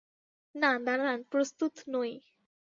না, দাঁড়ান, প্রস্তুত নই।